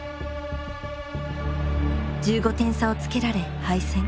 １５点差をつけられ敗戦。